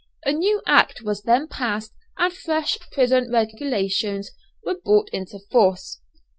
A new Act was then passed and fresh prison regulations were brought into force.